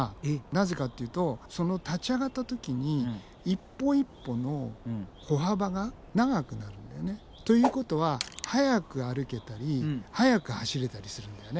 なぜかっていうとその立ち上がった時に一歩一歩の歩幅が長くなるんだよね。ということは速く歩けたり速く走れたりするんだよね。